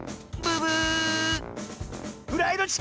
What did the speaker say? ブブー！